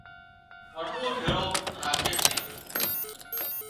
وٽُوئو ڀيۯو راکي سي